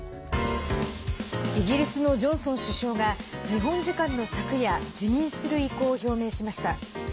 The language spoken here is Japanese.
イギリスのジョンソン首相が日本時間の昨夜辞任する意向を表明しました。